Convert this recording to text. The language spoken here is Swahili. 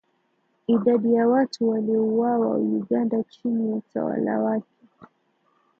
Idadi ya watu waliouawa Uganda chini ya utawala wake